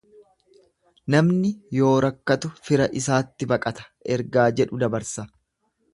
Namni yoo rakkatu fira isaatti baqata ergaa jedhu dabarsa.